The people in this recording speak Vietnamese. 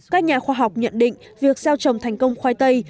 các nhà khoa học nhận định việc gieo trồng thành công khoai tây